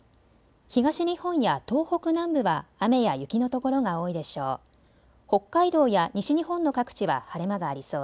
東日本や東北南部は雨や雪の所が多いでしょう。